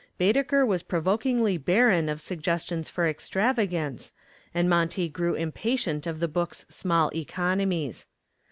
Baedeker was provokingly barren of suggestions for extravagance and Monty grew impatient of the book's small economies.